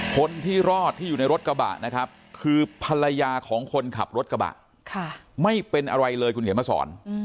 คนที่รอดที่อยู่ในรถกระบะนะครับคือภรรยาของคนขับรถกระบะไม่เป็นอะไรเลยคุณเขียนมาสอน